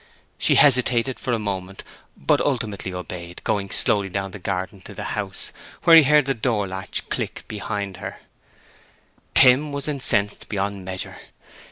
She hesitated for a minute, but ultimately obeyed, going slowly down the garden to the house, where he heard the door latch click behind her. Tim was incensed beyond measure.